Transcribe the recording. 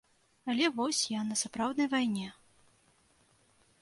Але вось я на сапраўднай вайне.